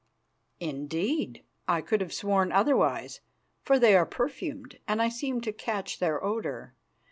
"Indeed. I could have sworn otherwise, for they are perfumed, and I seemed to catch their odour.